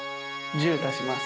１０足します。